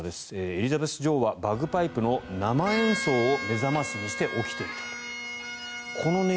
エリザベス女王はバグパイプの生演奏を目覚ましにして起きていたと。